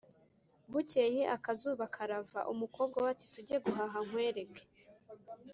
bukeye akazuba karava umukobwa we ati tujye guhaha nkwereke